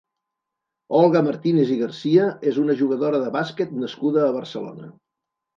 Olga Martínez i García és una jugadora de bàsquet nascuda a Barcelona.